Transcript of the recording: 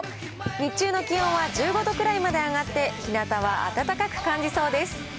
日中の気温は１５度くらいまで上がって、ひなたは暖かく感じそうです。